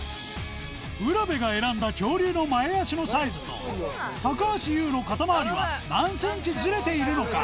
卜部が選んだ恐竜の前脚のサイズと高橋ユウの肩回りは何ｃｍズレているのか？